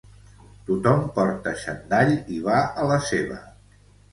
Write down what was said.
Tothom porta xandall i va a la seva.